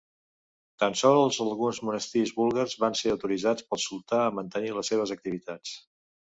Tan sols alguns monestirs búlgars van ser autoritzats pel sultà a mantenir les seves activitats.